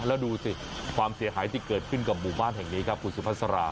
แล้วดูสิความเสียหายที่เกิดขึ้นกับหมู่บ้านแห่งนี้ครับคุณสุภาษา